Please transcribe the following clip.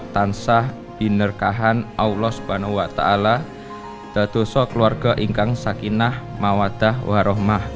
tansah binerkahan allah subhanahu wa ta'ala dan dosa keluarga ingkang sakinah mawadah warohmah